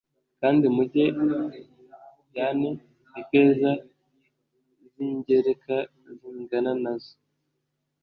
kandi mujyane ifeza z ingereka zingana na zo